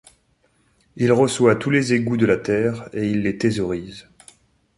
Il reçoit tous les égouts de la terre, et il les thésaurise.